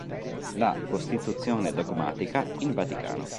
La "Costituzione dogmatica" in Vaticano".